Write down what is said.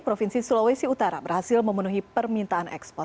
provinsi sulawesi utara berhasil memenuhi permintaan ekspor